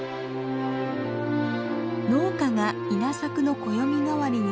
農家が稲作の暦代わりにするサクラ。